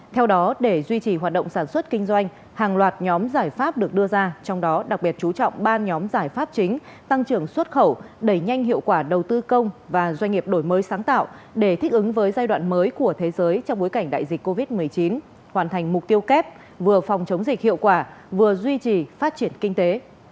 theo đó để duy trì hoạt động sản xuất kinh doanh hàng loạt nhóm giải pháp được đưa ra trong đó đặc biệt chú trọng ba nhóm giải pháp chính tăng trưởng xuất khẩu đẩy nhanh hiệu quả đầu tư công và doanh nghiệp đổi mới sáng tạo để thích ứng với giai đoạn mới của thế giới trong bối cảnh đại dịch covid một mươi chín hoàn thành mục tiêu kép vừa phòng chống dịch hiệu quả vừa duy trì phát triển kinh tế